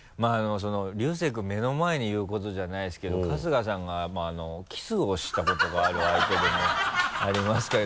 龍聖君目の前に言うことじゃないですけど春日さんがキスをしたことがある相手でもありますから。